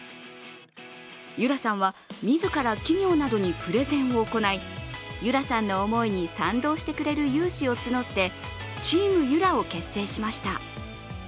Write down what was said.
結桜さんは自ら企業などにプレゼンを行い、結桜さんの思いに賛同してくれる有志を募ってチームゆらを結成しました。